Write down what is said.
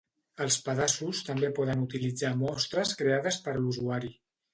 Els pedaços també poden utilitzar mostres creades per l'usuari.